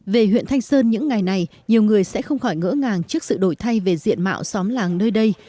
về huyện thanh sơn những ngày này nhiều người sẽ không khỏi ngỡ ngàng trước sự đổi thay về diện mạo xóm làng nơi đây